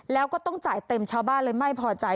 แล้วก็ต้องจ่ายเต็มชาวบ้านเลยไม่พอใจ